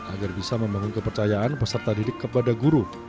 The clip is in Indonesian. agar bisa membangun kepercayaan peserta didik kepada guru